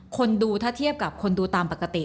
คนดูถ้าเทียบกับคนดูตามปกติ